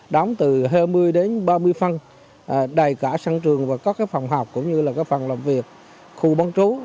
đóng từ hai mươi đến ba mươi phân đầy cả sân trường và các phòng học cũng như phần làm việc khu bán trú